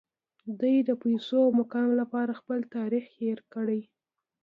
دوی د پیسو او مقام لپاره خپل تاریخ هیر کړی